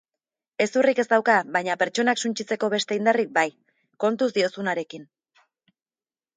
Hezurrik ez dauka baina pertsonak suntsitzeko beste indarrik bai!. Kontuz diozunarekin.